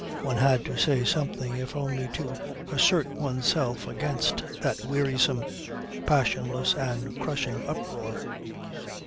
One had to say something if only to assert oneself against that wearisome, passionless and crushing uproar.